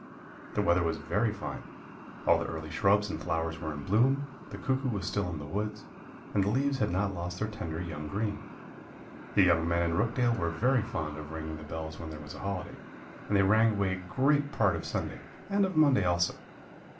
"The weather was very fine; all the early shrubs and flowers were in bloom, the cuckoo was still in the woods, and the leaves had not lost their tender young green. "The young men in Rookdale were very fond of ringing the bells when there was a holiday, and they rang away great part of Sunday and of Monday also.